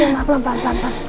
ya allah pelan pelan pelan pelan